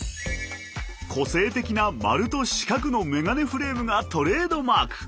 個性的な丸と四角の眼鏡フレームがトレードマーク。